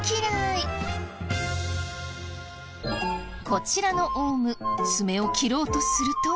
こちらのオウム爪を切ろうとすると。